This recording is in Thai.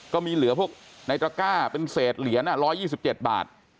ก็มีเหลือพวกนายตรักก้าเป็นเศษเหรียญอ่ะร้อยยี่สิบเจ็ดบาท